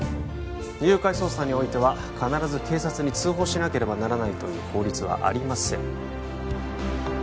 誘拐捜査においては必ず警察に通報しなければならないという法律はありません